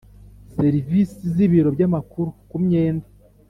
Serivisi z ibiro by amakuru ku myenda